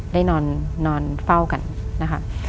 ได้นอนเฝ้ากันนะคะ